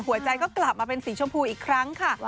หัวใจก็กลับมาเป็นสีชมพูอีกครั้งค่ะ